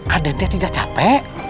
adem tidak capek